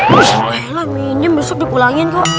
lela minjem besok dipulangin kok